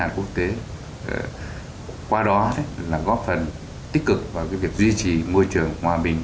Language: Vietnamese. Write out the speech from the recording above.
hội nhập quốc tế qua đó là góp phần tích cực vào việc duy trì môi trường hòa bình